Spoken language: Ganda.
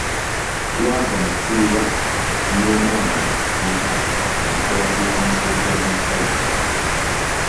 Twava mu ttuluba ly'omwana ne taata kati twafuuka musajja na musajja.